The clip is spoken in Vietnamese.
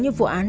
như vụ án